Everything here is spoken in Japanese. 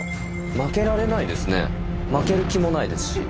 負けられないですね、負ける気もないですし。